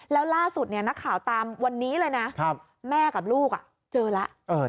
แล้วล่าสุดนักข่าวตามวันนี้เลยนะแม่กับลูกเจอแล้ว